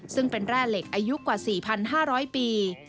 ซึ่งเป็นแร่เหล็กอายุกว่า๔๕๐๐ปี